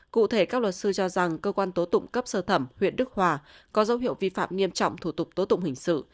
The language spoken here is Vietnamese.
cụ thể các luật sư cho rằng cơ quan tố tụng cấp sơ thẩm huyện đức hòa có dấu hiệu vi phạm nghiêm trọng thủ tục tố tụng hình sự